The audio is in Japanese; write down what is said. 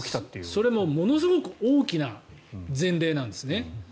それも、ものすごく大きな前例なんですね。